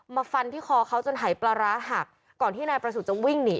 ฟันที่คอเขาจนหายปลาร้าหักก่อนที่นายประสุทธิ์จะวิ่งหนี